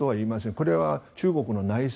これは中国の内政。